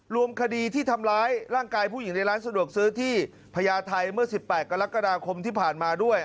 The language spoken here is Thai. รวมคดีที่ทำร้ายร่างกายผู้หญิงในร้านสะดวกซื้อที่พญาไทยเมื่อ๑๘กรกฎาคมที่ผ่านมาด้วย